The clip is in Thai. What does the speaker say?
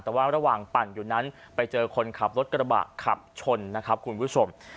แต่ว่าระหว่างปั่นอยู่นั้นไปเจอคนขับรถกระบะขับชนนะครับคุณผู้ชม